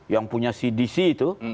yang punya cdc itu